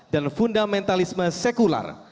dan fundamentalisme sekular